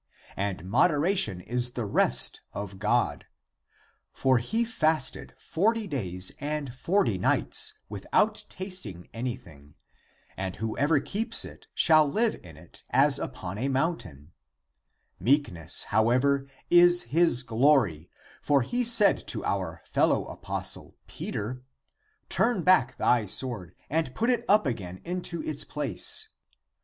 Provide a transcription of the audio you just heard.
<And moderation is the rest (recreation) of God.> For he fasted forty days and forty nights, without tasting any thing. And whoever keeps it shall live in it as upon a mountain. Meekness, however, is his glory, for he said to our fellow apostle Peter, Turn back thy sword and put it up again into its place.